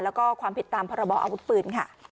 แล้วก็ความผิดตามพรบออาวุธปืนค่ะ